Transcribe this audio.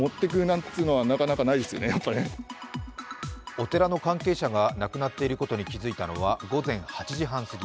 お寺の関係者がなくなっていることに気づいたのは午前８時半すぎ。